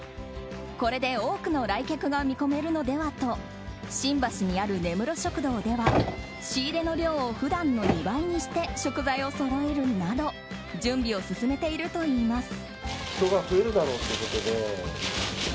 これで多くの来客が見込めるのではと新橋にある根室食堂では仕入れの量を普段の２倍にして食材をそろえるなど準備を進めているといいます。